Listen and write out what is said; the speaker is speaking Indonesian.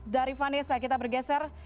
dari vanessa kita bergeser